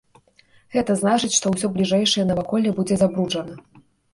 Гэта значыць, што ўсё бліжэйшае наваколле будзе забруджана.